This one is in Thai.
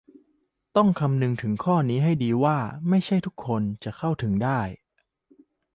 ต้องคำนึงถึงข้อนี้ให้ดีว่าไม่ใช่ทุกคนจะเข้าถึงได้